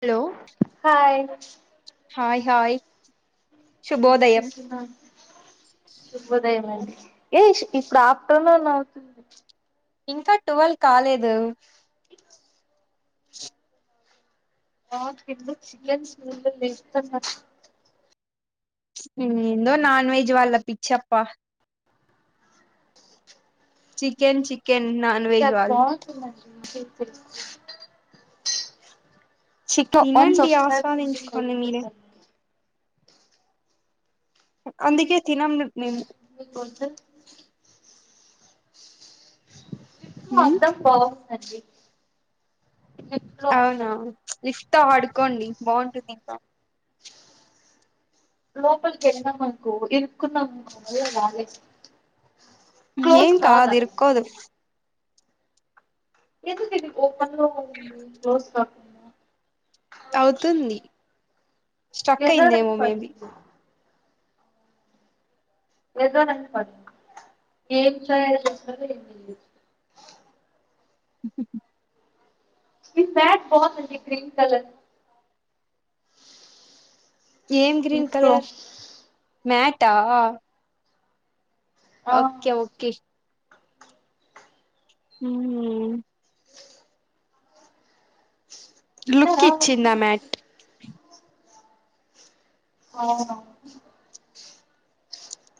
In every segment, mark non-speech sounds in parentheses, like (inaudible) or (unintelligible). Hello hi hi hi శుభోదయం వినిపిస్తుందా అండి శుభోదయము ఏ ఇప్పుడు ఆఫ్టర్ నూన్ అవుతుంది ఇంకా టువల్వ్ కాలేదు దా నా చికన్స్ ముందు లేస్తాన్నారు ఏందో నాన్ వెజ్ వాళ్ళ పిచ్చిప్ప చికెన్ (unintelligible) చికె (unintelligible) ఛీ పో అని తినండి (unintelligible) ఆస్వాదించుకోండి మీరే వదిలిపెట్టాలి అందుకే తినం మె మేము మీకు వద్దు చెప్పు ఉమ్ అడ్డం పో అంది అవునా లిఫ్ట్ తో ఆడుకోండి బాగుంటుంది ఇంకా లోపలికి వెళ్ళామనుకో ఇ కున్నా (unintelligible) ఏం కాదు ఇరుక్కోదు ఎంత (unintelligible) క్లోజ్ స అవుతుంది స్ట్రక్ ఎర్రర్ అని అయిందేమో మేబి పడింది ఏం ట్రయల్ చేస్తాదో ఏమో మీ మాట్ బాంది అండి గ్రీన్ కలర్ ఏం గ్రీన్ లిఫ్ట్ లో కలర్ మ్యాట ఆ ఓకే ఓకే హు లుక్ తిన్నారా ఇచ్చిందా మ్యాట్ అవును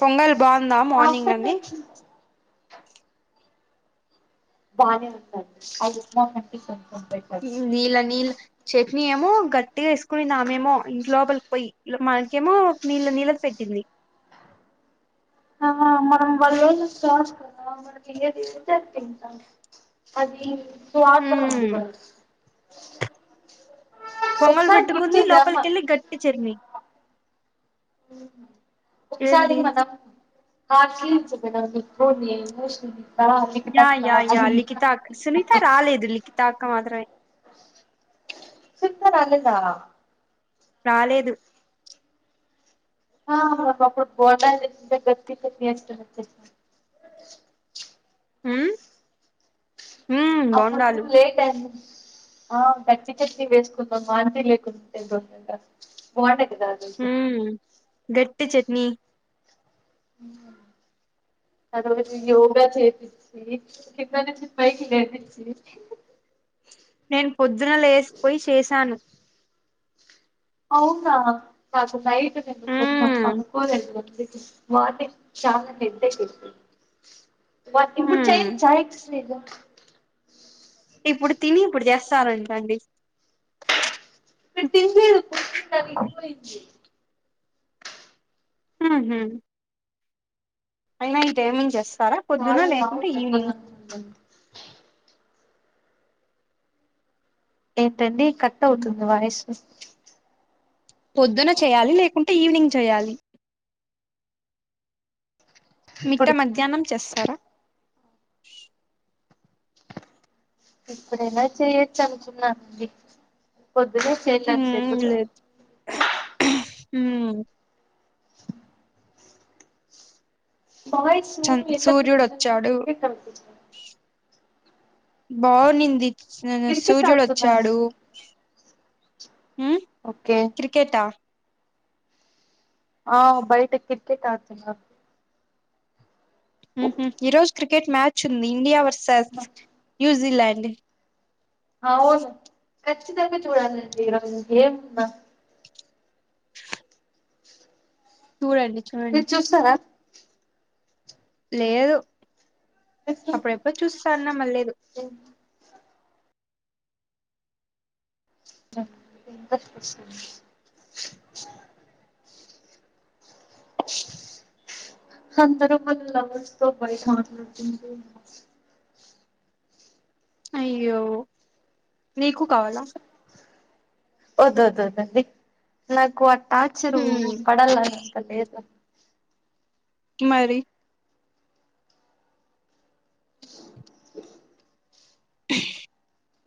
పొంగల్ బావుందా మార్నింగ్ అండి ఆఫ్టర్నూన్ బానే వస్తారు ఆ ఉప్మా కంటే కొంచెం బెటర్ నీళ్ళ నీళ్ళ చట్నీ ఏమో గట్టిగా వేసుకునింది ఆమెమో ఇంటి లోపలికి పోయి మనకేమో నీళ్ళ నీళ్ళది పెట్టింది. మనం ఓ రోజు స్టార్ట్ కదా మనకి ఏది పెడితే అది తింటాం అది హ్మ్ (unintelligible) పొంగలు ఒకసారి పెట్టుకుంది గుర్తుందా అమ్మ లోపలికెళ్ళి గట్టి చెర్మి అవునా ఒకసారి ఏంది మనం హాస్ట్ లీమ్స్ (unintelligible) ఏం చేస్తది యా యా యా లిఖితక్క సునీత రాలేదు లిఖిత అక్క మాత్రమే సునీత రాలేదా రాలేదు ఆ ఒకప్పుడు బోండాలు తెచ్చుకుంటే గట్టి చట్నీ వేస్తుండా తెలుసా ఊ అప్పుడు లేట్ అయిందని ఆ గట్టి చట్నీ వేసుకుందాం ఆంటీ లేకుంటే తొందరగా బాగున్నాయ్ హు గెట్టి చెట్నీ అక్కడికి పోతే యోగా చేపిచ్చి కింద నుంచి పైకి లేపించి నేను పొద్దున లేసిపోయి చేశాను అవునా పాసందై కున్నా హ్మ్ పనుకోలెదు మళ్లీ వాటే చాలా పెద్ద కిట్టు బట్ ఇప్పుడు హ్మ్ చేయచ్చా ఎక్స్ సైజు ఇప్పుడు తిని ఇప్పుడు చేస్తారంట అండి నేను తిండ్లేదు పొప్పు పగిలిపోయింది ఆహ అయినా ఈ టైమింగ్ చేస్తారా పొద్దున్న చాలా లావు లేకుంటే ఈవినింగ్ పెద్దగవుతుంది ఏంటండి కట్ అవుతుంది వాయిస్ అస్ పొద్దున చేయాలి లేకుంటే ఈవినింగ్ చేయాలి మిట్ట ఇప్పుడు మధ్యాహ్నం చేస్తారా ఇప్పుడైనా చేయొచ్చు అనుకున్నానండి పొద్దున్నే చేయాలంటే మ్మ్ చేయకూడదా ఉ బవైసు చన్ ఎంత సూర్యుడు పెడుతున్నా గాని క్రికెట్ కనిపించలా బావు నింది నిన్న క్రికెట్ సూర్యుడు ఆడుతున్నారా వచ్చాడు ఊ ఓకే క్రికెటా ఆ బయట క్రికెట్ ఆతున్నారు ఊహు ఈరోజు క్రికెట్ మ్యాచ్ ఉంది ఇండియా వార్స్ సచ్ న్యూజీలండ్ వొలే ఆవును కచ్చితంగా చూడాలండి ఇక్కడ మీకు ఏం ఉందొ చూడండి చూడండి మీరు చూస్తారా లేదు అప్పుడెప్పుడు చూసేసాను మళ్ళాలేదు మనకు ఇంకా ఏం కనిపిస్తుంది అందరు మళ్ళా ముస్తాబు అయినారు (inaudible) అయ్యో నీకు కావాలా వద్దు వద్దు వద్దండి నాకు వా టాచ్చరు మ్మ్ పడాలనాంత లేదు మరి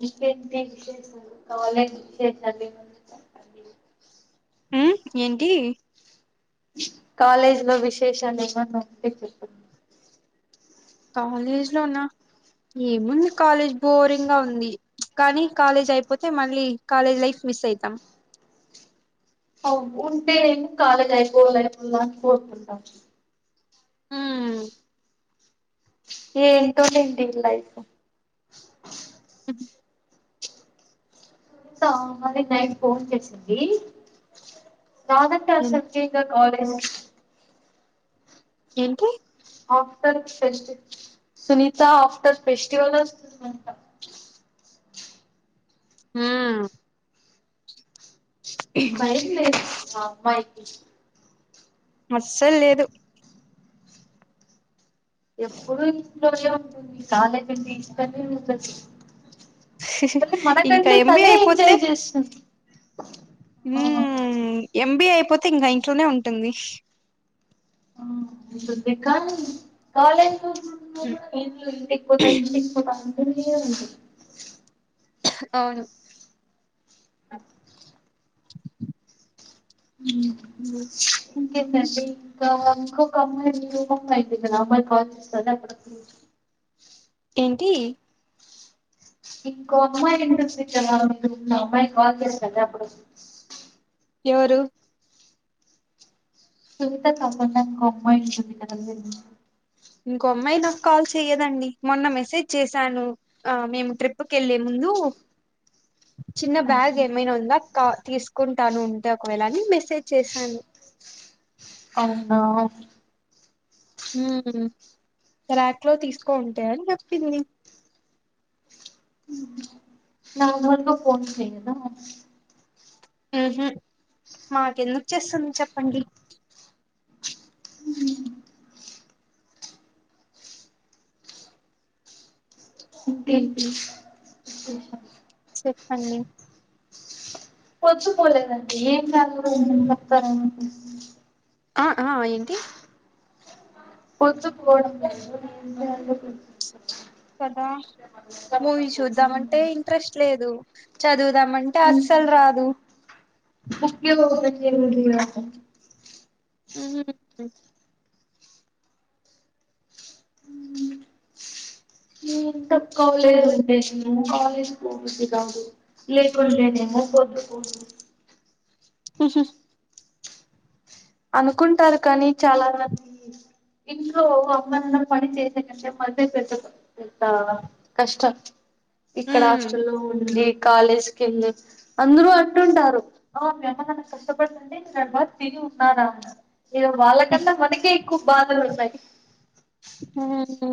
ఇంకేంటి విశేషాలు కాలేజ్ విశేషాలు ఎమన్నా చెప్పాండి. మ్మ్ ఏంటి కాలేజీ లో విశేషాలు ఏమన్నా అంటే చెప్పు కాలేజ్ లోన ఏముంది కాలేజ్ బోరింగ్ గా ఉంది కానీ కాలేజ్ అయిపోతే మళ్ళీ కాలేజ్ లైఫ్ మిస్ అయితాను కొవ్వు ఉంటే కాలేజ్ అయిపోవాల్ల కోరుకుంటాం హ ఎంటోనండి లైప్ తా మళ్ళీ నైట్ ఫోన్ చేసింది నాదంటే ఎన్ అసల్ చేయ్క కాదేమో ఏంటి after fest Sunitha after festival వస్తుందంట హుమ్ భయం లేదు మా అమ్మాయి ఇ అస్సల్ లేదు ఎప్పుడు ఇంట్లోనే ఉంటుంది కాలేజ్ ఉంటే ఇంట్లొనే ఉండదు కానీ ఇంకా మనకంటే ఎంబిఎ తనే అయిపోతే ఎంజాయ్ చేస్తుంది ఆ మ్మ్ ఎంబిఎ పోతే ఇంకా ఆ ఇంట్లోనే ఉంటుంది ఆ ఉంటుంది కాని కాలేజ్ ఇండ్లు ఇంటికిపొతా ఇంటికిపొతా అని అ ఉడి (inaudible) అవును అత్ ఇంకెందండి ఇంకా ఇంకొకమ్మాయి అయిపోయింది గదా ఆ అమ్మాయి కాల్ చేస్తంది వెయిట్ చెయ్ ఏంటి ఇంకో అమ్మాయి ఉంటుంది కదా ఆ అమ్మాయి కాల్ చేస్తంది అప్పుడు ఎవరు సునీత కాకుండ ఇంకో అమ్మాయి ఉంటుంది కదా ఇంకో అమ్మాయి నాకు కాల్ చెయ్యదండి మొన్న మెసేజ్ చేసాను ఆ మేము ట్రిప్ కెళ్ళే ముందు చిన్న లో బ్యాగ్ ఏమైనా ఉందా కా తీసుకుంటాను ఉంటే ఒకవేళని మెసేజ్ చేసాను అవునా హుమ్ హు రాక్ లో తీసుకో ఉంటాయని చెప్పింది నా నోట్లో పోయింటాయ్ కదా మొత్తం హు హు మాకు ఎందుకు చేస్తుంది చెప్పండి మ్మ్ ఇంకేంటి చెప్పండి వచ్చిపోలేదండి ఏం కాదులెండి వత్తారు ఏమైతది ఆ ఆ ఏంటి పొచ్చు కోవడం కదా మూవీ చూద్దామంటే ఇంట్రెస్ట్ లేదు చదువు మంటే అస్సల్ రాదు ఎనిమిది హుమ్ ఇంక కాలేజ్ ఉంటేనేమో కాలేజ్ పోబుద్ధి కాదు లేకుండేనేేమో పొద్దుపోదు హు హు అనుకుంటారు కానీ చాలా మంది ఇంట్లో అమ్మానాన్న పని చేసే కంటే మదే పెద్ద పెద్ద కష్టం ఇక్కడ మ్మ్ హాస్టల్ లో ఉండి కాల్లేష్ టెన్ ఏ అందరూ అంటుంటారు. ఆ మీ అమ్మానాన్న కష్టపడుతుంటే తర్వాత్ తిన్ను నాన్ననా ఇగ వాళ్ళ కన్నా మనకే మాకు బాదలున్నాయ్ హుమ్ హు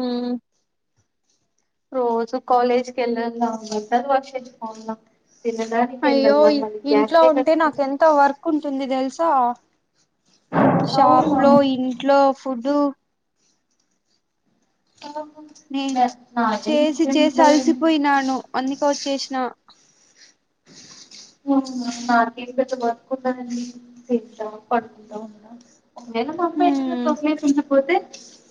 రోజు కాలేజ్ కెల్లాల బట్టలు వాష్ చేసుకోవాలా అయ్యో ఇంట్లో ఉంటే నాకు కట్టుకోవాలి ఎంత వర్క్ ఉంటుంది తెలుసా షాప్ అవునా లో ఇంట్లో ఫుడు నేను నాకేం చేసి ఇంకేం చేసి ఉంటాదండి అలసిపోయినాను అందుకే వచ్చేసిన నాకేం పెద్ద వర్క్ ఉండదండి తింటాం పడుకుంటాం నేను మా అమ్మ ఏజ్ ఉన్న హ్మ్ తొంగే కొంచెం పోతే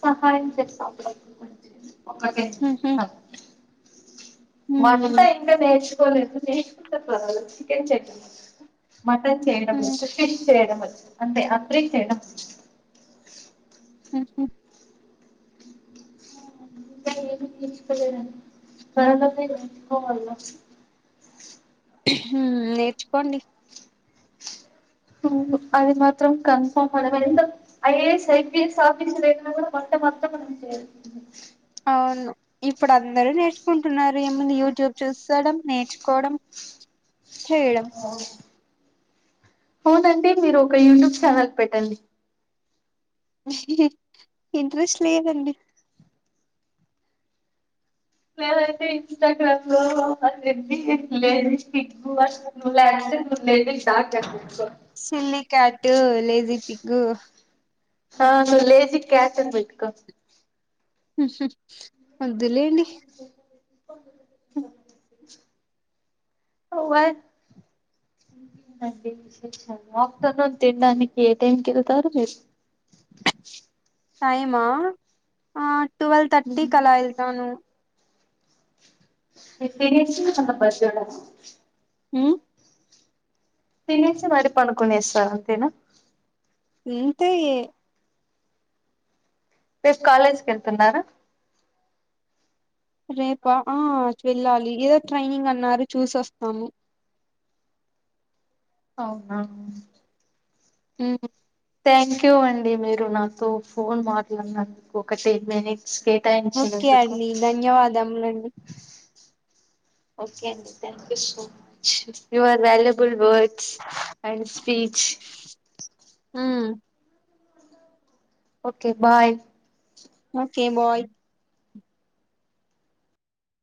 సహాయం చేస్తా అప్పుడు అగ్రిమెంట్ చేసి ఒకతైందే హుహు సబ్ హ్మ్ మనుంటాయి ఇంకా నేర్చ్ కోలేము నేర్చుకుంటా పరలా చికెన్ చేద్దామా మటన్ చేయడం హ్మ్ ఇష్ట్రశేష్ చేయడం వచ్చు అంతే అప్రీ చేయడం హు హు ఇంకా ఏమి నేర్చుకోలేదని ప్రారందపి నేర్చుకోవాల్నా హు హు నేర్చుకోండి అవును అది మాత్రం కన్ఫామ్ అవును ఇప్పుడు అందరు నేర్చుకుంటున్నారు ఏముంది యూట్యూబ్ చూస్తడం నేర్చుకోవడం చేయడం ఓ ఔ పోతంటే మీరు ఒక యూట్యూబ్ ఛానల్ పెట్టండి ఇంట్రెస్ట్ లేదండి ననైతే ఇన్స్టాగ్రామ్ లో ఆ లేగది లేనిదీ స్పీగువర్స్ (inaudible) చేసుకో సిల్లి క్యాటు లేేజీ పిగు హా లేజిక్ క్యాషన్ బెట్టకో హు హు వద్దులెండి ఆఫ్టర్నూన్ తినడానికి ఏ టైంకెళ్తారు మీరు టైమా ఆట్ టువల్ థర్టీ కలా ఏళ్తాను ఇప్పుడేర్చి అంత బజ్జోడన్నా హు తినేసి మరి పడుకునేస్త అంతేనా ఇంతే రేపు కాలేజీకెళ్తున్నారా రేపా ఆ వెళ్ళాలి. ఏదో ట్రైనింగ్ అన్నారు చూసొస్తాము అవునా ఉహు థ్యాంక్ యూ అండి మీరు నాతో ఫోన్ మాట్లాడినందుకు ఒక టెన్ మినిట్ ఓకే అండి ధన్యవాదములు ఏంది క్యా ఓకే అండి thank you so much you are valuable వర్డ and speech um okay bye మోకే బాయ్